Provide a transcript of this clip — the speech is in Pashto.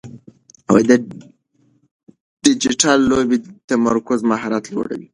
ډیجیټل لوبې د تمرکز مهارت لوړوي.